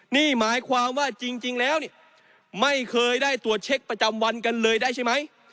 นี่หมายความว่าจริงแล้วเนี่ยไม่เคยได้ตรวจเช็คประจำวันกันเลยได้ใช่ไหม